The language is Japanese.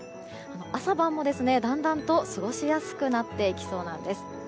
朝晩もだんだんと過ごしやすくなっていきそうなんです。